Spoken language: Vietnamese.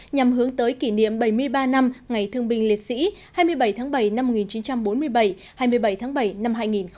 nhằm hướng tới kỷ niệm bảy mươi ba năm ngày thương binh liệt sĩ hai mươi bảy tháng bảy năm một nghìn chín trăm bốn mươi bảy hai mươi bảy tháng bảy năm hai nghìn một mươi chín